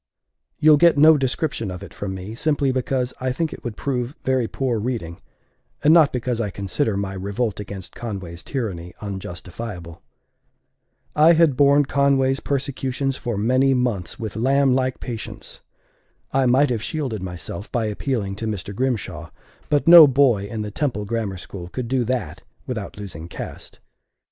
You'll get no description of it from me, simply because I think it would prove very poor reading, and not because I consider my revolt against Conway's tyranny unjustifiable. I had borne Conway's persecutions for many months with lamb like patience. I might have shielded myself by appealing to Mr. Grimshaw; but no boy in the Temple Grammar School could do that without losing caste.